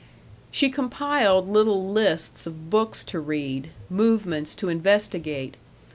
She compiled little lists of books to read, "movements" to investigate.